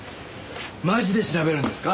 マジで調べるんですか？